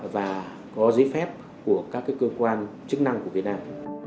và có giấy phép của các cơ quan chức năng của việt nam